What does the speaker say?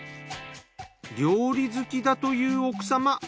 料理好きだという奥様。